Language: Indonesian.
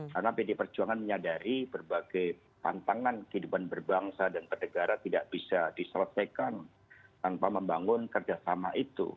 karena pd perjuangan menyadari berbagai tantangan kehidupan berbangsa dan perdegara tidak bisa diselesaikan tanpa membangun kerjasama itu